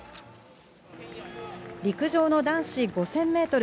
陸上の男子５０００メートル